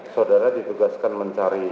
saudara ditugaskan mencari